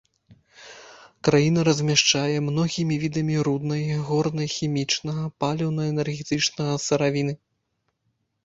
Краіна размяшчае многімі відамі руднай, горна-хімічнага, паліўна-энергетычнага сыравіны.